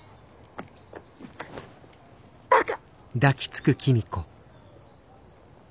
バカ！